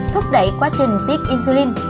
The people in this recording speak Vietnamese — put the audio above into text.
thúc đẩy quá trình tiết insulin